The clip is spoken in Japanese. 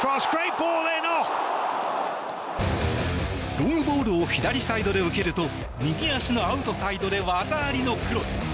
ロングボールを左サイドで受けると右足のアウトサイドで技ありのクロス。